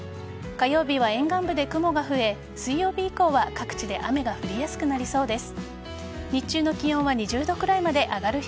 火曜日は沿岸部で雲が増え水曜日以降は各地で雨が降りやすくなりそうです。